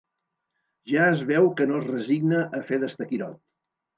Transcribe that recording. Ja es veu que no es resigna a fer d'estaquirot.